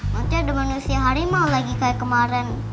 maksudnya ada manusia harimau lagi kayak kemarin